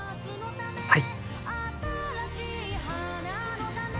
はい！